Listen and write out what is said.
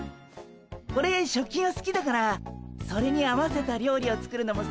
オレ食器がすきだからそれに合わせた料理を作るのもすきなんすよ。